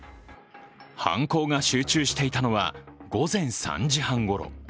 犯行が集中していたのは午前３時半ごろ。